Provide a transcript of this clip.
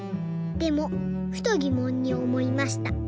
でもふとぎもんにおもいました。